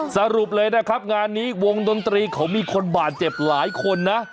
สรุปเลยนะครับงานนี้วงดนตรีเขามีคนบาดเจ็บหลายคนนะ